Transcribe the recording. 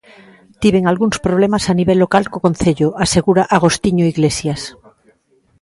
"Tiven algúns problemas a nivel local co concello", asegura Agostiño Iglesias.